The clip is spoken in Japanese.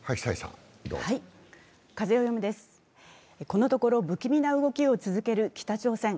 このところ不気味な動きを続ける北朝鮮。